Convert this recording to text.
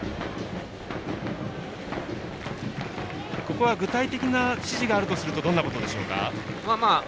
ここは具体的な指示があるとするとどんなことでしょうか。